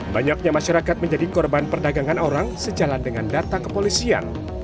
banyaknya masyarakat menjadi korban perdagangan orang sejalan dengan data kepolisian